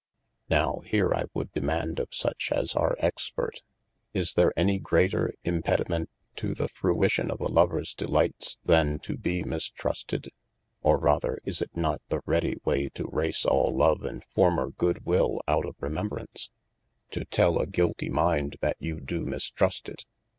Nowe, here I would demaunde of such as are experte : Is there any greater impedymente to the fruition of a Lovers delights, than to be mistrusted ? or rather, is it not the ready way to race all love and former good will out of remembrance, 434 OF MASTER F. J. to tell a guilty mind that you do mistrust it